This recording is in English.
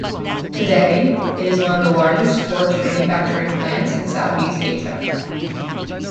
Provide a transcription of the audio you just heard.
Today it is one of the largest torch manufacturing plants in South East Asia.